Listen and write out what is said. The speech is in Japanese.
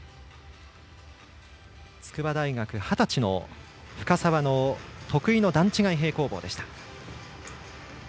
筑波大学、二十歳の深沢の得意の段違い平行棒でした。